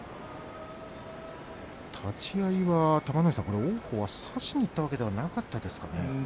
立ち合いは玉ノ井さん王鵬、差しにいったわけではなかったですか。